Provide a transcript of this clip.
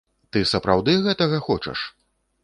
Ты сапраўды гэтага хочаш?